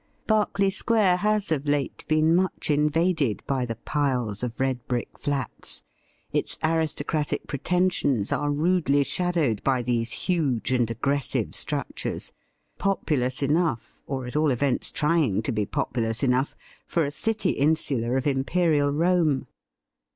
Berkeley Square has of late been much invaded by the pUes of red brick flats. Its aristocratic pretensions are rudely shadowed by these huge and aggressive structures — populous enough, or at all events trying to be populous enough for a city insula of Imperial Rome.